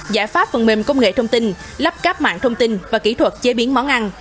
giải pháp phần mềm công nghệ thông tin lắp cáp mạng thông tin và kỹ thuật chế biến món ăn